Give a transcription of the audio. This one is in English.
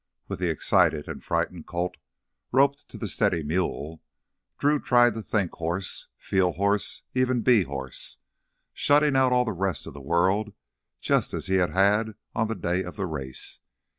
With the excited and frightened colt roped to the steady mule Drew tried to think horse, feel horse, even be horse, shutting out all the rest of the world just as he had on the day of the race.